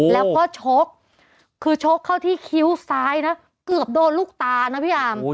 แล้วก็ชกคือชกเข้าที่คิ้วซ้ายนะเกือบโดนลูกตานะพี่อาม